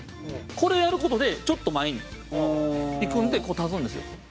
これをやる事で、ちょっと前に行くんで立つんですよ。